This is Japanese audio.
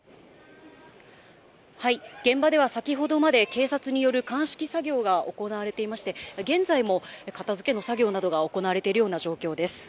現場では先ほどまで、警察による鑑識作業が行われていまして、現在も片づけの作業などが行われているような状況です。